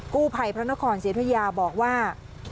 กู้ภัยพระนครศรีธุยาบอกว่า